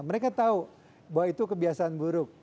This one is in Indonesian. mereka tahu bahwa itu kebiasaan buruk